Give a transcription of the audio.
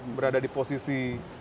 berada di posisi